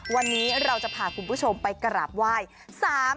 วันนี้เราจะพาคุณผู้ชมไปกราบไหว้